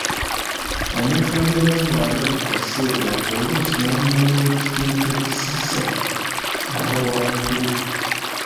Omuntu abeera nga alya buli kaseera oluusi n’aliira ne we kiteetaagisa aba wa mukulu.